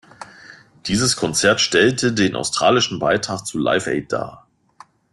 Dieses Konzert stellte den australischen Beitrag zu Live Aid dar.